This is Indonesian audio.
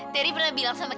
tadi pernah bilang sama candy